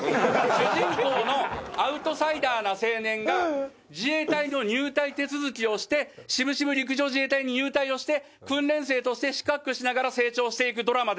主人公のアウトサイダーな青年が自衛隊の入隊手続きをして渋々陸上自衛隊に入隊をして訓練生として四苦八苦しながら成長していくドラマです。